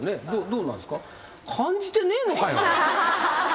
どうなんですか？